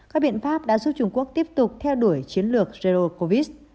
các biện pháp đã giúp trung quốc tiếp tục theo đuổi chiến lược zero covid